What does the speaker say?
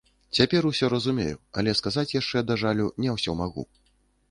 Цяпер усё разумею, але сказаць яшчэ, да жалю, не ўсё магу.